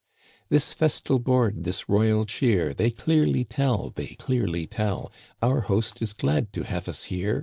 " This festal board, this royal cheer. They clearly tell (They clearly tell) Our host is glad to have us here.